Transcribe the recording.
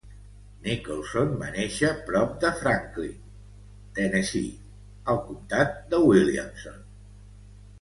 Nicholson va néixer prop de Franklin, Tennessee, al comtat de Williamson.